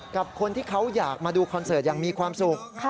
กับคนที่เขาอยากมาดูคอนเสิร์ตอย่างมีความสุข